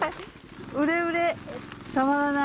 熟れ熟れたまらない